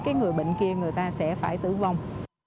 cái người bệnh kia người ta sẽ phải tử vong